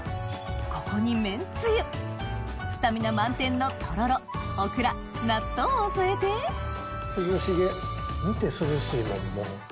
ここにめんつゆスタミナ満点のを添えて涼しげ見て涼しいもんもう。